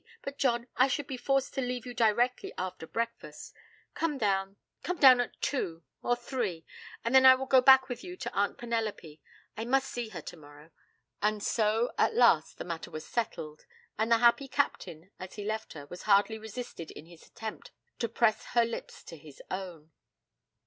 But, John, I should be forced to leave you directly after breakfast. Come down come down at two, or three; and then I will go back with you to Aunt Penelope. I must see her tomorrow.' And so at last the matter was settled, and the happy Captain, as he left her, was hardly resisted in his attempt to press her lips to his own.